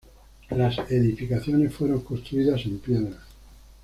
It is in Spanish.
Las edificaciones fueron construido en piedra.